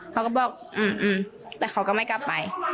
เขาก็บอกแต่เขาก็ไม่กลับไป